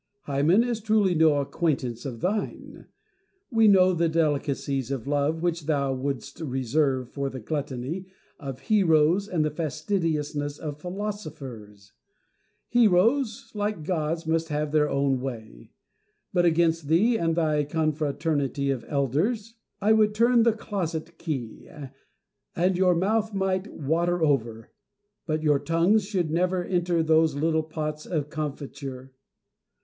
Hymen is truly no acquaintance of thine. We know the delicacies of love which thou wouldst reserve for the gluttony of heroes and the fastidiousness of philosophers. Heroes, like gods, must have their own way ; but against thee and thy confraternity of elders I would turn the closet key, and your mouths might water over, but your tongues should never enter those little pots of comfiture.